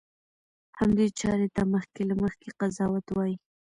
همدې چارې ته مخکې له مخکې قضاوت وایي.